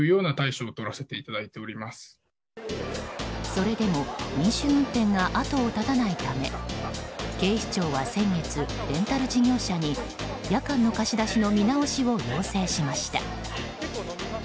それでも飲酒運転が後を絶たないため警視庁は先月、レンタル事業者に夜間の貸し出しの見直しを要請しました。